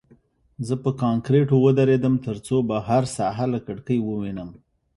زه په کانکریټو ودرېدم ترڅو بهر ساحه له کړکۍ ووینم